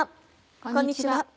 こんにちは。